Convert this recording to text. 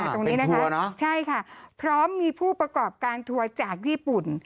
ตรงนี้นะคะใช่ค่ะพร้อมมีผู้ประกอบการทัวร์จากญี่ปุ่น